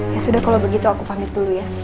ya sudah kalau begitu aku pamit dulu ya